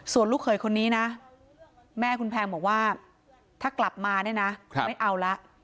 ส่วนลูกเขยคนนี้นะแม่คุณแพงบอกว่าถ้ากลับมาเนี่ยนะไม่เอาละ